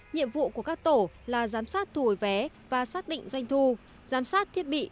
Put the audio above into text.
nhiệm vụ của các tổ là giám sát thu hồi vé và xác định doanh thu giám sát thiết bị